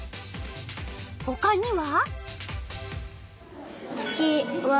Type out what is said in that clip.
ほかには？